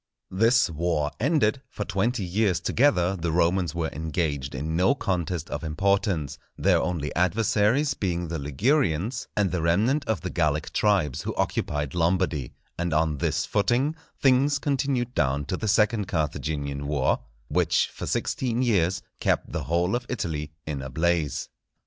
This war ended, for twenty years together the Romans were engaged in no contest of importance, their only adversaries being the Ligurians, and the remnant of the Gallic tribes who occupied Lombardy; and on this footing things continued down to the second Carthaginian war, which for sixteen years kept the whole of Italy in a blaze.